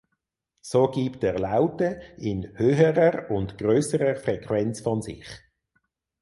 So gibt er Laute in höherer und größerer Frequenz von sich.